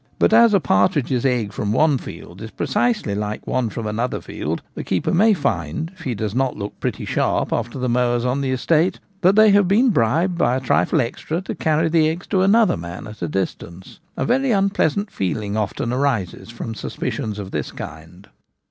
But as a partridge's egg from one field is precisely like one from another field, the keeper may find, if he does not look pretty sharp after the mowers on the estate, that they have been bribed by a trifle extra to carry the eggs to another man at a distance. A very unpleasant feeling often arises from suspicions of this kind.